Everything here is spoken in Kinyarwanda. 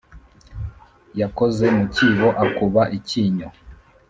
yakoze mu cyibo akuba icyinyo